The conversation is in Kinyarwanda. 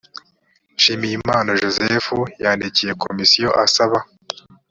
nshimiyimana joseph yandikiye komisiyo asaba